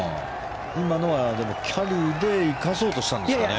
今のはキャリーで行かそうとしたんですかね。